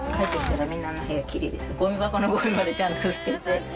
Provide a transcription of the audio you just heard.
ゴミ箱のゴミまでちゃんと捨てて。